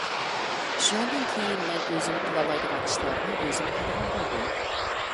شۇنىڭدىن كېيىن مەن ئۆزۈم قىلالايدىغان ئىشلارنى ئۆزۈم قىلىدىغان بولدۇم.